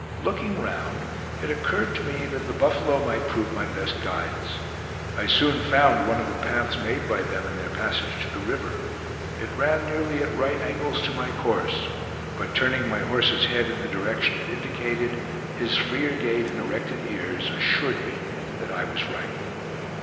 Looking round, it occurred to me that the buffalo might prove my best guides. I soon found one of the paths made by them in their passage to the river; it ran nearly at right angles to my course; but turning my horse's head in the direction it indicated, his freer gait and erected ears assured me that I was right.